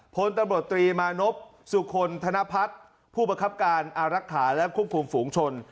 พลตำรวจตรีมานพสุคลธนพัฒน์ผู้ประคับการอารักษาและควบคุมฝูงชน